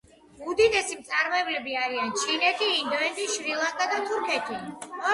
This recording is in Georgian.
უდიდესი მწარმოებლები არიან ჩინეთი, ინდოეთი, შრი-ლანკა და თურქეთი.